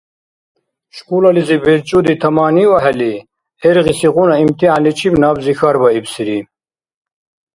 Школализиб белчӏуди таманиухӏели, гӏергъисигъуна имтихӏянничиб набзи хьарбаибсири: